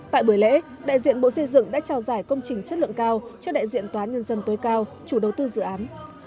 tại buổi lễ đại diện bộ xây dựng đã trao giải công trình chất lượng cao cho đại diện tòa án nhân dân tối cao chủ đầu tư dự án